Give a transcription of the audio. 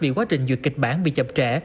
vì quá trình duyệt kịch bản vì chậm trễ